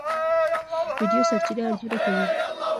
ویډیو سرچینه ارزونه کوي.